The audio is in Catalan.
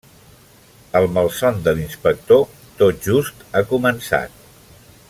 El malson de l'inspector tot just ha començat.